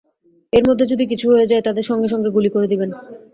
এর মধ্যে যদি কিছু হয়ে যায়, তাদের সঙ্গে সঙ্গে গুলি করে দিবেন।